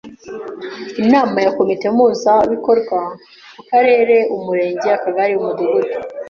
Inama ya komite mpuzabikorwa ku Karere /Umurenge/Akagari/Umudugudu;